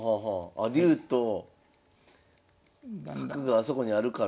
あ竜と角があそこにあるから。